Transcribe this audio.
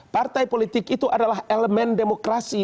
partai politik itu adalah elemen demokrasi